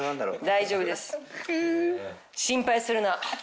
大丈夫です。